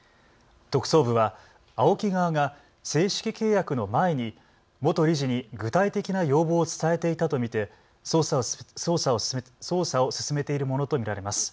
特捜部はＡＯＫＩ側が正式契約の前に元理事に具体的な要望を伝えていたと見て捜査を進めているものと見られます。